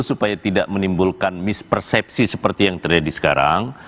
supaya tidak menimbulkan mispersepsi seperti yang terjadi sekarang